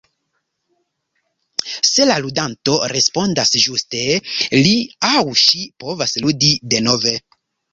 Se la ludanto respondas ĝuste, li aŭ ŝi povas ludi denove.